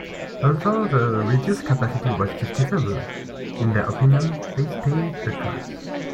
Although the reduced capacity was justifiable in their opinion, they stayed the course.